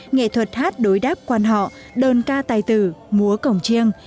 nghệ thuật hát đối đáp quan họ đơn ca tài tử múa cổng chiêng